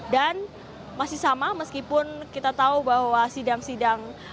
dan masih sama meskipun kita tahu bahwa sidang sidang